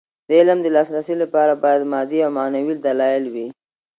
د علم د لاسرسي لپاره باید مادي او معنوي دلايل وي.